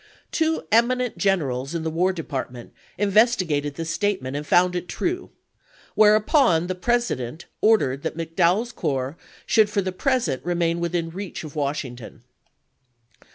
Two eminent generals in the War Department investigated this state ment and found it true, whereupon the President ordered that McDowell's corps should for the pres ent remain within reach of Washington.